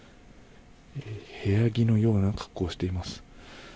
部屋着のような格好をしています。